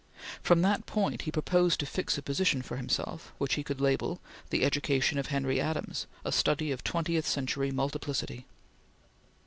From that point he proposed to fix a position for himself, which he could label: "The Education of Henry Adams: a Study of Twentieth Century Multiplicity."